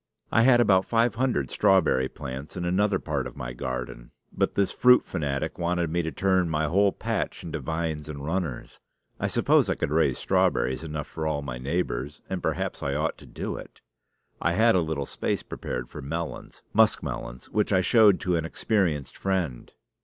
I had about five hundred strawberry plants in another part of my garden; but this fruit fanatic wanted me to turn my whole patch into vines and runners. I suppose I could raise strawberries enough for all my neighbors; and perhaps I ought to do it. I had a little space prepared for melons muskmelons, which I showed to an experienced friend.